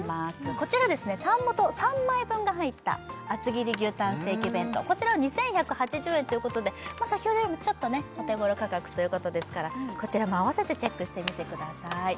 こちらですねタン元３枚分が入った厚切り牛たんステーキ弁当こちら２１８０円ということで先ほどよりもちょっとねお手ごろ価格ということですからこちらもあわせてチェックしてみてください